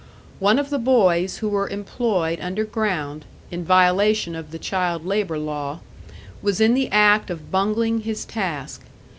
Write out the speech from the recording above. One of the boys who were employed underground, in violation of the child labour law, was in the act of bungling his task.